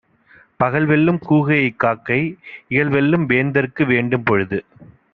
பகல்வெல்லும் கூகையைக் காக்கை, இகல்வெல்லும் வேந்தர்க்கு வேண்டும் பொழுது.